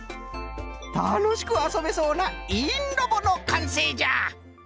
たのしくあそべそうな「いいんロボ」のかんせいじゃ。